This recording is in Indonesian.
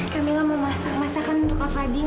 kamil mau masak masakan untuk fadil